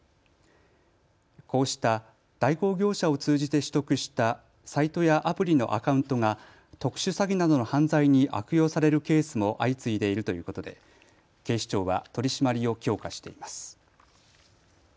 こうした代行業者を通じて取得したサイトやアプリのアカウントが特殊詐欺などの犯罪に悪用されるケースも相次いでいるということで警視庁は取締りを強化しています。